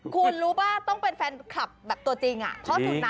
คุณรู้ป่ะต้องเป็นแฟนคลับแบบตัวจริง